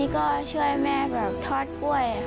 ก็ช่วยแม่แบบทอดก้วย